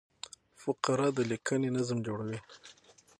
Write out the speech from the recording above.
فقره د لیکني نظم جوړوي.